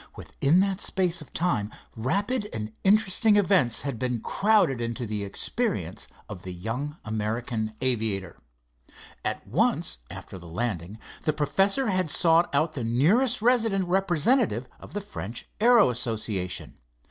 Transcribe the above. Within that space of time rapid and interesting events had been crowded into the experience of the young American aviator. At once after the landing, the professor had sought out the nearest resident representative of the French Aero Association.